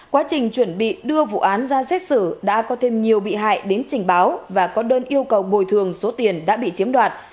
quá trình chuẩn bị đưa vụ án ra xét xử đã có thêm nhiều bị hại đến trình báo và có đơn yêu cầu bồi thường số tiền đã bị chiếm đoạt